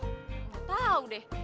nggak tahu deh